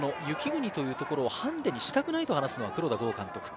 雪国というところをハンデにしたくないと話すのは黒田剛監督。